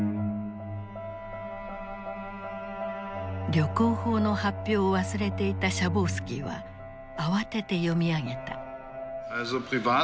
旅行法の発表を忘れていたシャボウスキーは慌てて読み上げた。